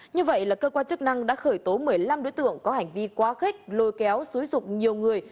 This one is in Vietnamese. như vậy là cơ quan chức năng đã khởi tố một mươi năm đối tượng có hành vi quá khích lôi kéo xúi rục nhiều người